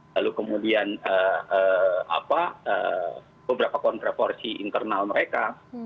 lalu kemudian beberapa kontraporsi internal mereka